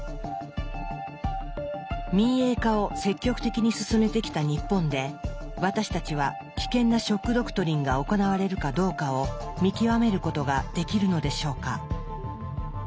民営化を積極的に進めてきた日本で私たちは危険な「ショック・ドクトリン」が行われるかどうかを見極めることができるのでしょうか？